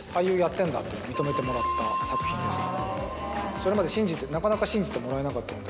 それまでなかなか信じてもらえなかったので。